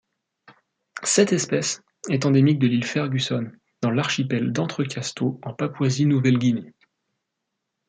Cette espèce est endémique de l'île Fergusson dans l'archipel d'Entrecasteaux en Papouasie-Nouvelle-Guinée.